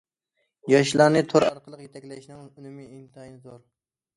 ياشلارنى تور ئارقىلىق يېتەكلەشنىڭ ئۈنۈمى ئىنتايىن زور.